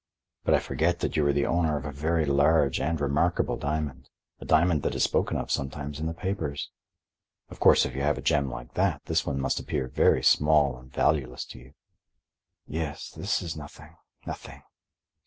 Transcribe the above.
But I forget that you are the owner of a very large and remarkable diamond, a diamond that is spoken of sometimes in the papers. Of course, if you have a gem like that, this one must appear very small and valueless to you." "Yes, this is nothing, nothing."